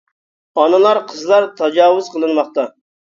ئانىلار قىزلار تاجاۋۇز قىلىنماقتا !